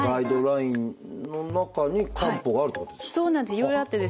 いろいろあってですね